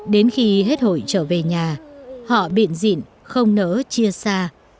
đến khi hết hội trở về nhà họ bịn dịn không nỡ chia xa